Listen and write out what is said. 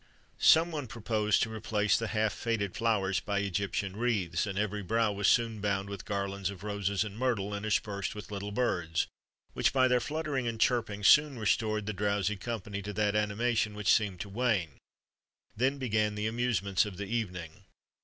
Some one proposed to replace the half faded flowers by Egyptian wreaths, and every brow was soon bound with garlands of roses and myrtle, interspersed with little birds, which, by their fluttering and chirping, soon restored the drowsy company to that animation which seemed to wane.[XXXV 85] Then began the amusements of the evening.